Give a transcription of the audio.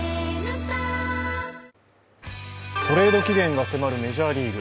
トレード期限が迫るメジャーリーグ。